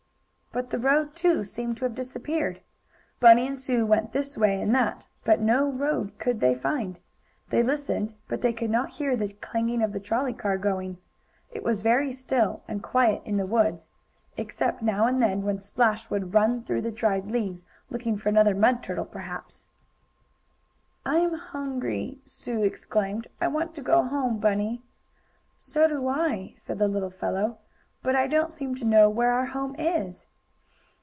But the road, too, seemed to have disappeared. Bunny and Sue went this way and that, but no road could they find. They listened, but they could not hear the clanging of the trolley car gong. It was very still and quiet in the woods, except, now and then, when Splash would run through the dried leaves, looking for another mud turtle, perhaps. "I'm hungry!" Sue exclaimed. "I want to go home, Bunny!" "So do I," said the little fellow, "but I don't seem to know where our home is."